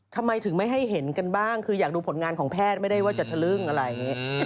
ทำไมถึงไม่ให้เห็นกันบ้างคืออยากดูผลงานของแพทย์ไม่ได้ว่าจะทะลึ่งอะไรอย่างนี้